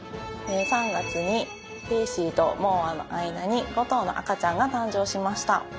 ３月にケーシーとモーアの間に５頭の赤ちゃんが誕生しました。